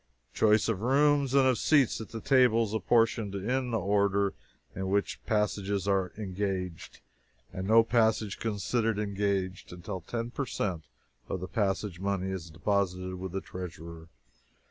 Choice of rooms and of seats at the tables apportioned in the order in which passages are engaged; and no passage considered engaged until ten percent of the passage money is deposited with the treasurer.